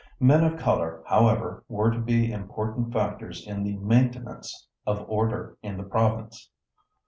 Men of color, however, were to be important factors in the maintenance of order in the province.